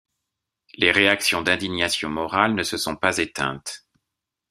Les réactions d'indignation morale ne se sont pas éteintes.